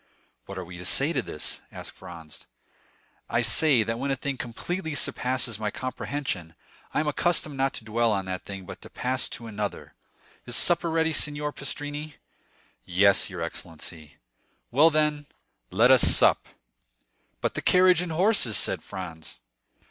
"What are we to say to this?" asked Franz. "I say, that when a thing completely surpasses my comprehension, I am accustomed not to dwell on that thing, but to pass to another. Is supper ready, Signor Pastrini?" "Yes, your excellency." "Well, then, let us sup." "But the carriage and horses?" said Franz.